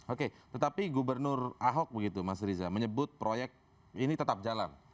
oke tetapi gubernur ahok begitu mas riza menyebut proyek ini tetap jalan